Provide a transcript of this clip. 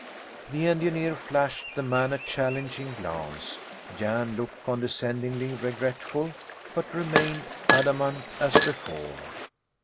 The engineer flashed the man a challenging glance. Jan looked condescendingly regretful, but remained adamant as before.